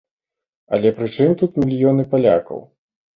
Але пры чым тут мільёны палякаў?